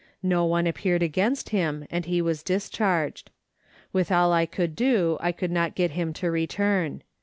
No one appeared against him, and he was discharged. With all I could do I could not get him to return.